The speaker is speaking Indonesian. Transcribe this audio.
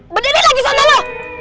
berdiri lagi sana lu